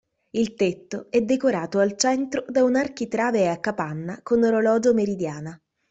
Il tetto è decorato al centro da un architrave a capanna con orologio meridiana.